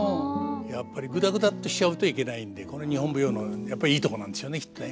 やっぱりぐだぐだってしちゃうといけないんでこれ日本舞踊のやっぱりいいとこなんですよねきっとね。